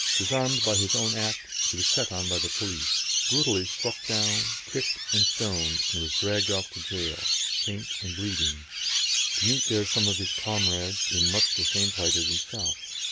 Disarmed by his own act, he was set on by the police, brutally struck down, kicked and stoned, and was dragged off to gaol, faint and bleeding, to meet there some of his comrades in much the same plight as himself.